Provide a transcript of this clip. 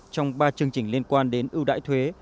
trong ba chương trình liên quan đến ưu đãi thuế